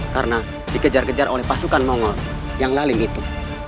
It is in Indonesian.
karena dikejar kejar oleh pasukan mongol yang lalim itu